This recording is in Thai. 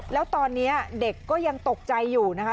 แล้วตอนนี้เด็กก็ยังตกใจอยู่นะคะ